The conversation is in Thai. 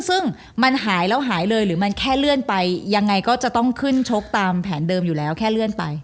ซึ่งมันหายแล้วหายเลยหรือมันแค่เลื่อนไปยังไงก็จะต้องขึ้นชกตามแผนเดิมอยู่แล้วแค่เลื่อนไป